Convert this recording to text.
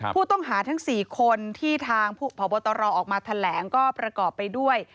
ผู้ต้องหาทั้ง๔คนที่ทางพบตรออกมาแถลงก็ประกอบไปด้วย